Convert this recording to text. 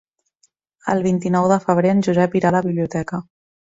El vint-i-nou de febrer en Josep irà a la biblioteca.